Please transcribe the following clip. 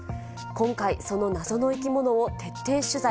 今回、その謎の生き物を徹底取材。